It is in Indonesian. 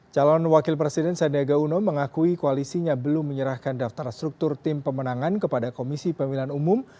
calon wakil presiden sandiaga uno mengakui koalisinya belum menyerahkan daftar struktur tim pemenangan kepada komisi pemilihan umum